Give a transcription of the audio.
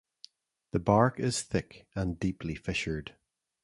The bark is thick and deeply fissured.